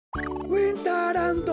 ウインターランド！